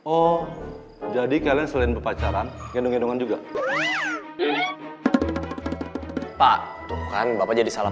oh jadi kalian selain berpacaran gendong gendong gue ke taman kita tuh gak bakal disini sekarang